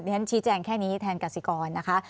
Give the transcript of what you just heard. เพราะฉะนั้นชี้แจงแค่นี้แทนกัสสิกรนะคะ